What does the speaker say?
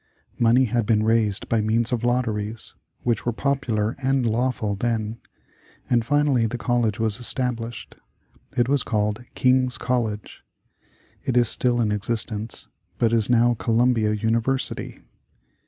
Money had been raised by means of lotteries which were popular and lawful then and finally the college was established. It was called King's College. It is still in existence, but is now Columbia University.